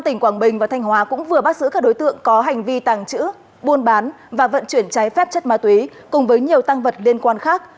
tỉnh quảng bình và thanh hóa cũng vừa bắt giữ các đối tượng có hành vi tàng trữ buôn bán và vận chuyển cháy phép chất ma túy cùng với nhiều tăng vật liên quan khác